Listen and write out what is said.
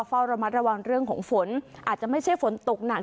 เฝ้าระมัดระวังเรื่องของฝนอาจจะไม่ใช่ฝนตกหนัก